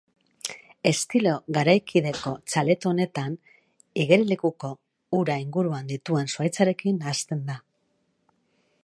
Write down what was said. Estilo garaikideko txalet honetan, igerilekuko ura inguruan dituen zuhaitzekin nahasten da.